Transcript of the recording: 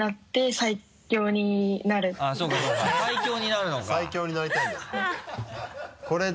最強になりたいんだ。